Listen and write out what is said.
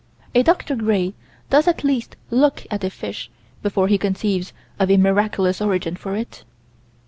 A Dr. Gray does at least look at a fish before he conceives of a miraculous origin for it.